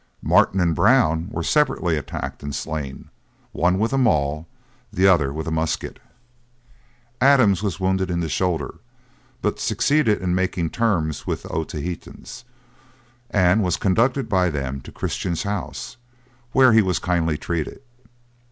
Martin and Brown were separately attacked and slain, one with a maul, the other with a musket. Adams was wounded in the shoulder, but succeeded in making terms with the Otaheitans; and was conducted by them to Christian's house, where he was kindly treated.